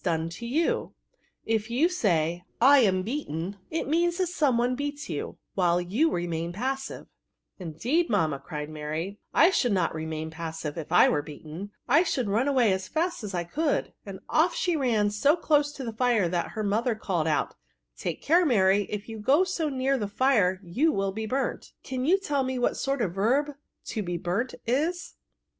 67 done to you# If you say, * I ana beaten/ it means that some one beats you, while you remain passive*'' ^ Indeed, mamma,*' cried Maiy, '' I should not remain passive if I were beaten ; I should run away as fast as I could/' And off she ran so close to the fire that her mother called out, '* Take care, Mary ; if you go so near the fire, you will be burnt. Can you tell me what sort of a verb * to be burnt ^ is